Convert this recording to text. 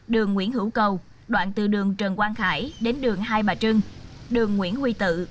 đường nguyễn hữu cầu đoạn từ đường trần quang khải đến đường hai bà trưng đường nguyễn huy tự